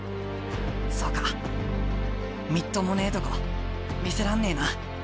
みっともねえとこ見せらんねえな！